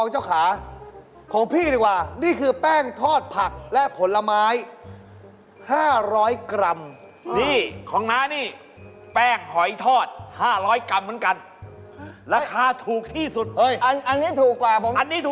เอ้อแป้งอันไหนราคาทุกสุดนะครับ